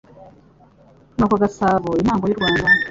nuko Gasabo intango y'u Rwanda